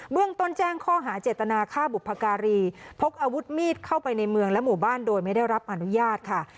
เมืองต้นแจ้งข้อหาเจตนาฆ่าบุพการีพกอาวุธมีดเข้าไปในเมืองและหมู่บ้านโดยไม่ได้รับอนุญาตค่ะ